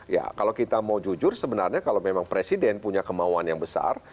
ya kalau kita mau jujur sebenarnya kalau memang presiden punya kemauan yang besar